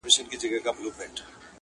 دې ربات ته بې اختیاره یم راغلی،